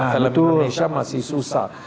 film indonesia masih susah